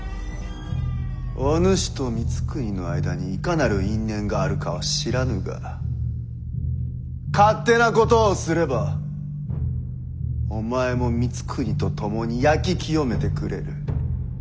お主と光圀の間にいかなる因縁があるかは知らぬが勝手なことをすればお前も光圀と共に焼き清めてくれる。